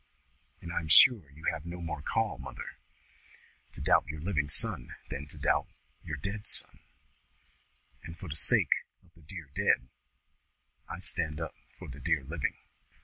And I am sure you have no more call, mother, to doubt your living son than to doubt your dead son; and for the sake of the dear dead, I stand up for the dear living."